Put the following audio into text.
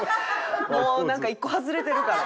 もうなんか１個外れてるから。